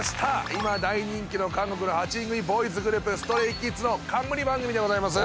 今大人気の韓国の８人組ボーイズグループＳｔｒａｙＫｉｄｓの冠番組でございます。